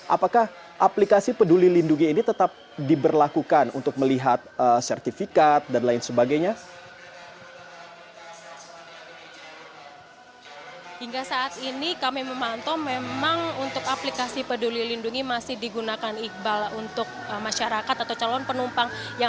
apakah aplikasi peduli lindungi ini tetap diberlakukan untuk melihat sertifikat dan lain sebagainya